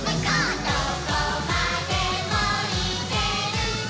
「どこまでもいけるぞ！」